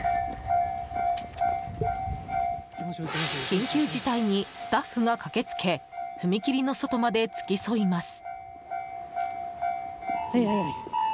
緊急事態にスタッフが駆けつけ踏切の外まで付き添います。